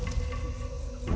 jaga kesehatan ya